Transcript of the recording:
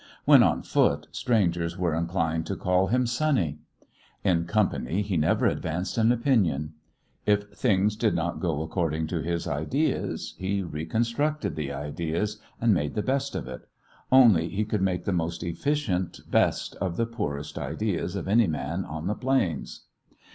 When on foot, strangers were inclined to call him "sonny." In company he never advanced an opinion. If things did not go according to his ideas, he reconstructed the ideas, and made the best of it only he could make the most efficient best of the poorest ideas of any man on the plains.